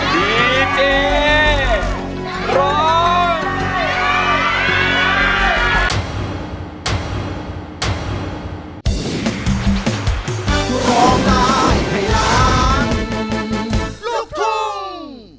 ดีเจร้อง